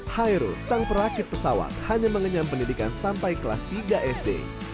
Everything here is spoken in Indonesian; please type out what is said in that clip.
hairul sang perakit pesawat hanya mengenyam pendidikan sampai kelas tiga sd